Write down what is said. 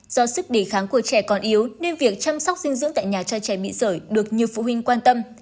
do sức đề kháng của trẻ còn yếu nên việc chăm sóc dinh dưỡng tại nhà cho trẻ bị sởi được nhiều phụ huynh quan tâm